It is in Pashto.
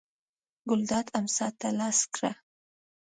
ګلداد امسا ته لاس کړ.